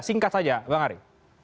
singkat saja bang ari